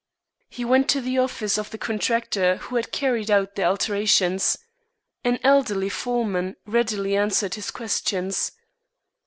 He went to the office of the contractor who had carried out the alterations. An elderly foreman readily answered his questions.